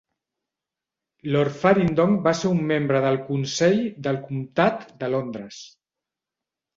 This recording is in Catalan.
Lord Faringdon va ser un membre del Consell del comtat de Londres.